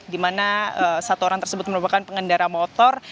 dimana satu orang tersebut merupakan pengendara motor